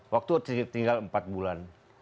waktu tinggal empat bulan